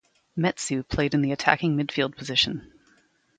Metsu played in the attacking midfield position.